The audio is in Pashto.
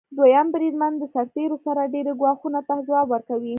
دویم بریدمن د سرتیرو سره ډیری ګواښونو ته ځواب ورکوي.